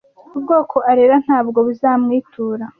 ubwoko arera ntabwo buzamwitura